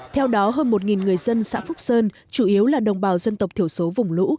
theo đó hơn một người dân xã phúc sơn chủ yếu là đồng bào dân tộc thiểu số vùng lũ